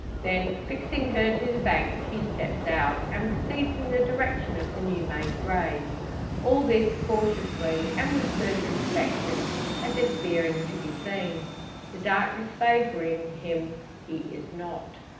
Then, fixing her to the bank, he steps out, and proceeds in the direction of the new made grave. All this cautiously, and with circumspection, as if fearing to be seen. The darkness favouring him, he is not.